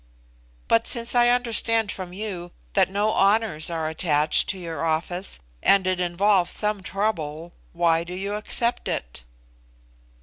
"But since I understand from you that no honours are attached to your office, and it involves some trouble, why do you accept it?"